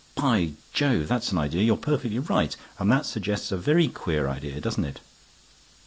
"By Jove! that's an idea. You're perfectly right. And that suggests a very queer idea, doesn't it?"